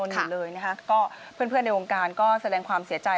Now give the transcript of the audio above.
อยู่เลยนะคะก็เพื่อนในวงการก็แสดงความเสียใจ